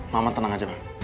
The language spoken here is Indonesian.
ma ma tenang aja